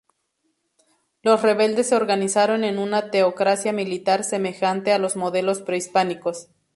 Los rebeldes se organizaron en una teocracia militar semejante a los modelos prehispánicos.